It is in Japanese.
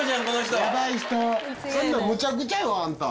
むちゃくちゃよあんた！